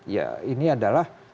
ya ini adalah